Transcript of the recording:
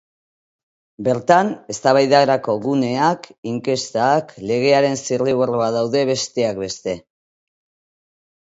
Bertan, eztabaidarako guneak, inkestak, legearen zirriborroa daude, besteak beste.